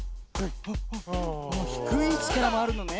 ひくいいちからもあるのね。